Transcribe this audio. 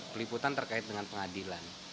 peliputan terkait dengan pengadilan